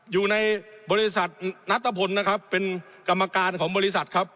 อยู่ในบริษัทนัตตะพลนะครับเป็นกรรมการของบริษัทครับ